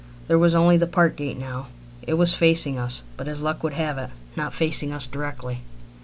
There was only the park gate now. It was facing us, but, as luck would have it, not facing us directly.